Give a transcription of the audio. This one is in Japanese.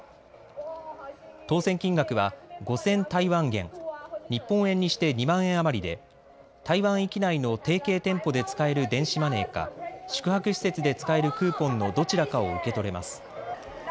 当せん金額は５０００台湾元日本円にして２万円余りで台湾域内の提携店舗で使える電子マネーか宿泊施設で使えるクーポンのどちらかを受け取れます。